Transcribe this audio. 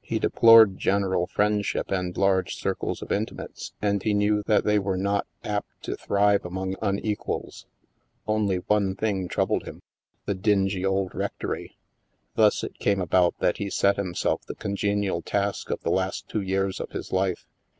He deplored general friend ship and large circles of intimates; and he knew that they were not apt to thrive among unequals. Only one thing troubled him — the dingy old rec tory. Thus it came about that he set himself the con genial task of the last two years of his life.